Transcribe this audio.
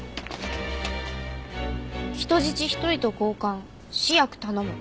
「人質１人と交換試薬頼む」